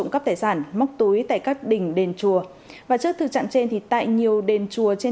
cắp tài sản mắc túi tại các đình đền chùa và trước từ trạng trên thì tại nhiều đền chùa trên